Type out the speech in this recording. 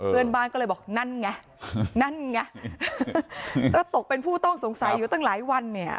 เพื่อนบ้านก็เลยบอกนั่นไงนั่นไงเออตกเป็นผู้ต้องสงสัยอยู่ตั้งหลายวันเนี่ย